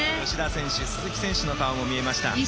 吉田選手、鈴木選手の顔も見えました。